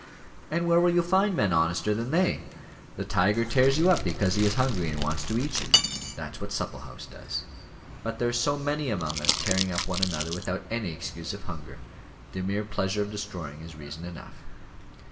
"And where will you find men honester than they? The tiger tears you up because he is hungry and wants to eat you. That's what Supplehouse does. But there are so many among us tearing up one another without any excuse of hunger. The mere pleasure of destroying is reason enough."